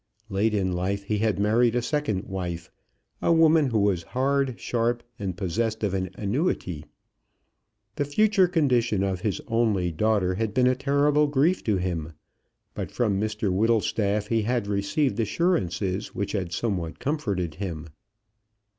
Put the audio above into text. Late in life he had married a second wife, a woman who was hard, sharp, and possessed of an annuity. The future condition of his only daughter had been a terrible grief to him; but from Mr Whittlestaff he had received assurances which had somewhat comforted him.